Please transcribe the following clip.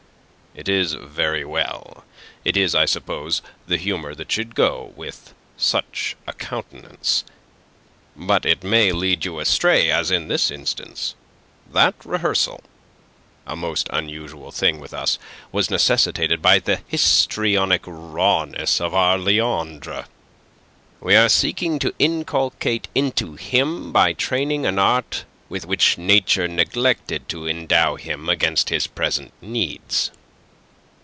It is very well. It is I suppose, the humour that should go with such a countenance. But it may lead you astray, as in this instance. That rehearsal a most unusual thing with us was necessitated by the histrionic rawness of our Leandre. We are seeking to inculcate into him by training an art with which Nature neglected to endow him against his present needs.